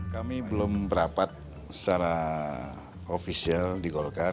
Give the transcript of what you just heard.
kami belum berapat secara ofisial di golkar